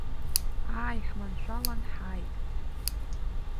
Ааи, ҳманшәалан ҳааит.